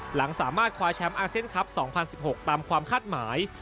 หลังสามารถคว้าแชมป์อาเซียนคลับ๒๐๑๖ตามความคาดหมาย